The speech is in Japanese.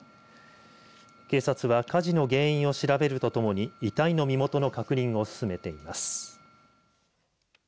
警察は火事の原因を調べるとともに遺体の身元の確認を進めています。